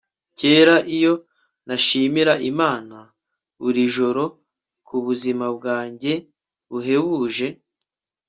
kera iyo nashimira imana buri joro kubuzima bwanjye buhebuje